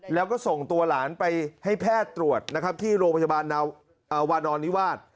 แล้วก็ส่งตัวหลานไปให้แพทย์ตรวจนะครับที่โรงพยาบาลวานอนนิวาส